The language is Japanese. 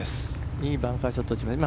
いいバンカーショットでしたね。